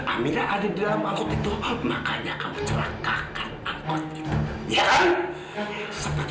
amira ada di dalam angkot itu makanya kamu curakakan angkot itu